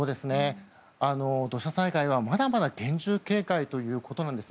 土砂災害は、まだまだ厳重警戒ということなんです。